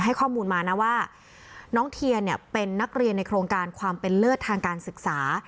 ให้ข้อมูลมานะว่าน้องเทียนเนี่ยเป็นนักเรียนในโครงการความเป็นเลิศทางการศึกษา